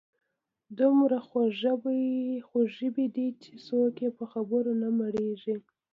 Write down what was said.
دومره خوږ ژبي دي چې څوک یې په خبرو نه مړیږي.